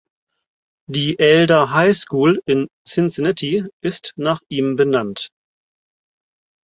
Die Elder High School in Cincinnati ist nach ihm benannt.